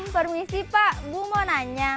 permisi pak bu mau nanya